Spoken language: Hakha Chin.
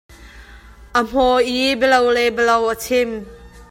A hmaw i bialo le bialo a chim.